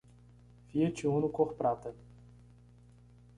Fiat Uno cor prata.